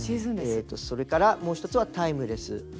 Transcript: それからもう１つはタイムレス。